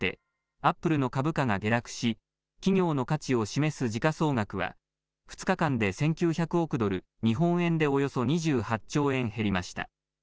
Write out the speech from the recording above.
アップルの株価が下落し企業の価値を示す時価総額は２日間で１９００億ドル日本円でおよそ２８兆円減りました。